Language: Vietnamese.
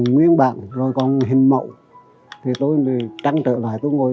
nguyên bản rồi còn hình mẫu thì tôi trăng trở lại tôi ngồi